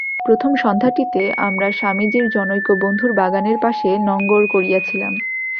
প্রথম সন্ধ্যাটিতে আমরা স্বামীজীর জনৈক বন্ধুর বাগানের পাশে নঙ্গর করিয়াছিলাম।